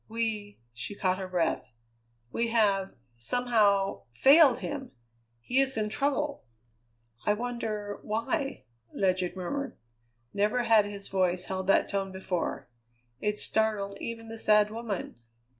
We" she caught her breath "we have, somehow, failed him. He is in trouble." "I wonder why?" Ledyard murmured. Never had his voice held that tone before. It startled even the sad woman.